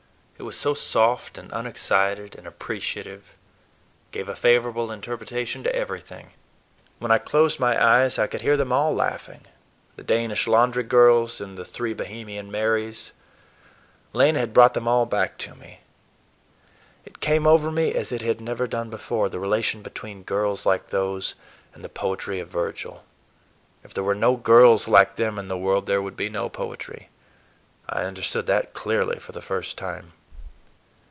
It was so soft and unexcited and appreciative—gave a favorable interpretation to everything. When I closed my eyes I could hear them all laughing—the Danish laundry girls and the three Bohemian Marys. Lena had brought them all back to me. It came over me, as it had never done before, the relation between girls like those and the poetry of Virgil. If there were no girls like them in the world, there would be no poetry. I understood that clearly, for the first time.